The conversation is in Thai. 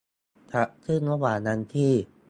จัดขึ้นระหว่างวันที่